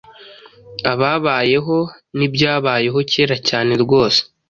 ababayeho n'ibyabayeho kera cyane rwose